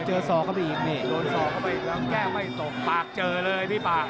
โอ้เจอส่อก็ไปอีกโดนส่อก็ไปอีกแล้วแก้ไม่ตกปากเจอเลยพี่ปาก